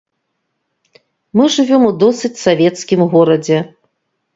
Мы жывём у досыць савецкім горадзе.